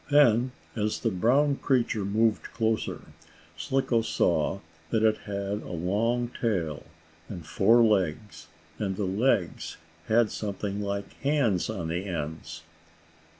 ] Then, as the brown creature moved closer, Slicko saw that it had a long tail, and four legs, and the legs had something like hands on the ends.